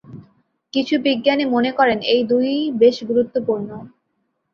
কিছু বিজ্ঞানী মনে করেন এই দুই-ই বেশ গুরুত্বপূর্ণ।